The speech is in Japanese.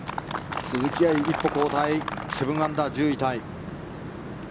鈴木愛、７アンダー１０位タイ。